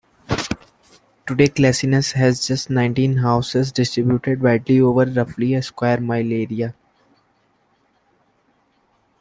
Today Clashnessie has just nineteen houses distributed widely over roughly a square mile area.